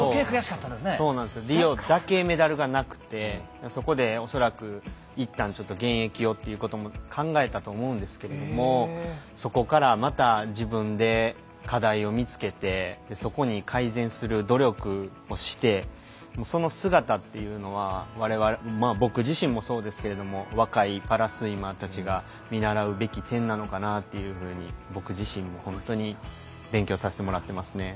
リオだけメダルがなくてそこで、おそらくいったん現役を、ということも考えたと思うんですけれどもそこからまた自分で課題を見つけてそこに改善する努力をしてその姿というのは、われわれ僕自身もそうですけれど若いパラスイマーたちが見習うべき点なのかなと僕自身も本当に勉強させてもらっていますね。